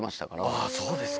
あー、そうですか。